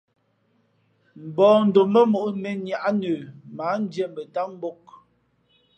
Mbᾱᾱndǒm mbᾱ mǒʼ mēnniáʼ nə mα ǎ ndiē mά ntám mbōk.